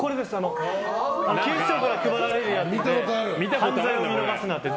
警視庁から配られるやつで犯罪を見逃すなっていう。